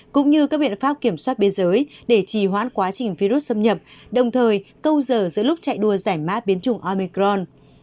cũng như các biện pháp kiểm soát biên giới để trì hoãn quá trình virus xâm nhập đồng thời câu giờ giữa lúc chạy đua giải mã biến chủng omicron